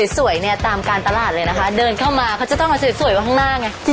สวยเนี่ยตามการตลาดเลยนะคะเดินเข้ามาเขาจะต้องเอาสวยไว้ข้างหน้าไง